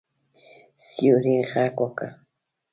سیوري غږ وکړ.